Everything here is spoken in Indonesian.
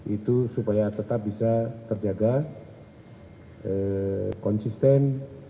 itu supaya tetap bisa terjaga konsisten